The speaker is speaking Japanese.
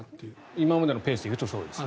今までのペースで言うとそうですね。